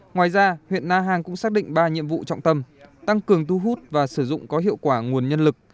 ngoài ra huyện na hàng cũng xác định ba nhiệm vụ trọng tâm tăng cường thu hút và sử dụng có hiệu quả nguồn nhân lực